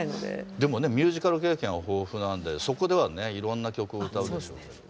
でもねミュージカル経験は豊富なんでそこではねいろんな曲を歌うでしょうけども。